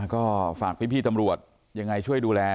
ก็ฝากพี่ตำรวจยังไงช่วยดูแล